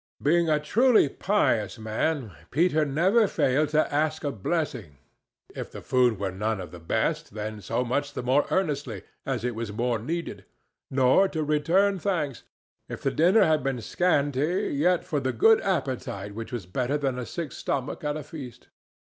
Being a truly pious man, Peter never failed to ask a blessing—if the food were none of the best, then so much the more earnestly, as it was more needed—nor to return thanks, if the dinner had been scanty, yet for the good appetite which was better than a sick stomach at a feast.